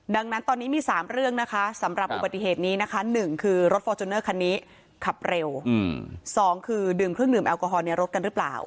ดังนั้นตอนนี้มี๓เรื่องนะคะสำหรับอุบัติเหตุนี้นะคะ๑คือรถฟอร์จูเนอร์คันนี้ขับเร็ว๒คือดื่มเครื่องดื่มแอลกอฮอลในรถกันหรือเปล่า